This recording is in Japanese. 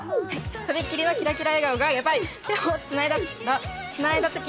とびっきりのキラキラ笑顔がやばい手をつないだとき